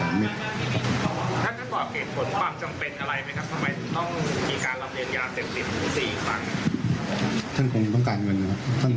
ท่านจะบอกเหตุผลความจำเป็นอะไรไหมครับทำไมต้องมีการรับเงินยา๗๐ภูมิ๔อีกครั้ง